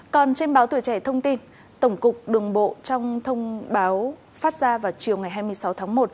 còn trên báo tuổi trẻ thông tin tổng cục đường bộ trong thông báo phát ra vào chiều ngày hai mươi sáu tháng một